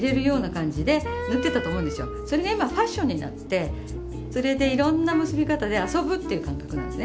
それが今ファッションになってそれでいろんな結び方で遊ぶっていう感覚なんですね。